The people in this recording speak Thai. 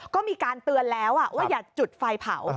ก็มีการเตือนแล้วว่าอย่าจุดไฟเผา